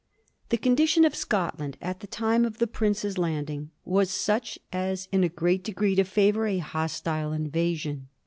The condition of Scotland at the time of the prince's landing was such as in a great degree to favor a hostile invasion.